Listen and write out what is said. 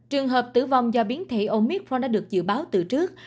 trường hợp tử vong do biến thể omitforn đã được dự báo từ trước